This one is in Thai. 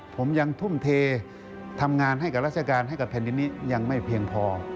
ผมยังทุ่มเททำงานให้กับราชการให้กับแผ่นดินนี้ยังไม่เพียงพอ